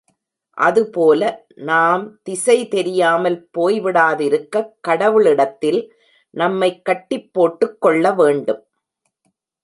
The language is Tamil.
அதுபோல நாம் திசை தெரியாமல் போய்விடாதிருக்கக் கடவுளிடத்தில் நம்மை கட்டிப் போட்டுக் கொள்ளவேண்டும்.